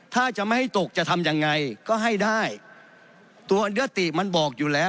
ถ้าจะไม่ให้ตกจะทำยังไงก็ให้ได้ตัวอัญยติมันบอกอยู่แล้ว